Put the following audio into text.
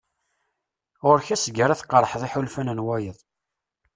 Ɣur-k ass deg ara tqeṛḥeḍ iḥulfan n wayeḍ.